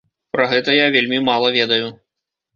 Пра гэта я вельмі мала ведаю.